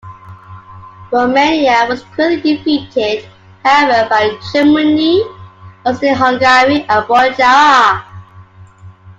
Romania was quickly defeated however by Germany, Austria-Hungary, and Bulgaria.